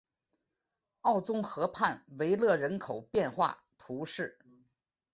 奥宗河畔维勒人口变化图示